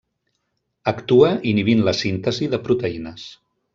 Actua inhibint la síntesi de proteïnes.